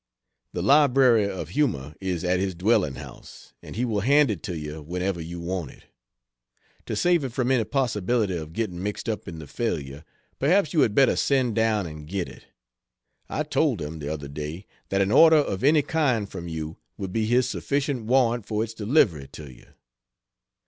The Library of Humor is at his dwelling house, and he will hand it to you whenever you want it. To save it from any possibility of getting mixed up in the failure, perhaps you had better send down and get it. I told him, the other day, that an order of any kind from you would be his sufficient warrant for its delivery to you.